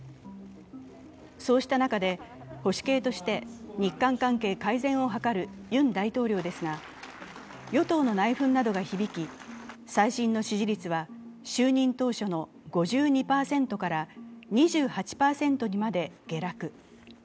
そうした中で、保守系として日韓関係改善を図るユン大統領ですが、与党の内紛などが響き、最新の支持率は就任当初の５２％から２８％にまで下落。